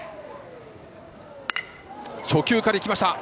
初球から行きました。